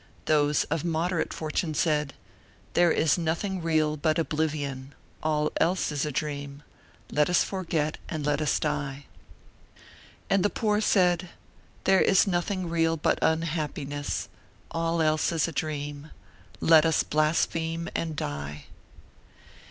Those of moderate fortune said: "There is nothing real but oblivion, all else is a dream; let us forget and let us die." And the poor said: "There is nothing real but unhappiness, all else is a dream; let us blaspheme and die."